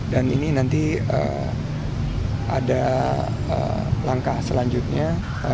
dan ini nanti ada langkah selanjutnya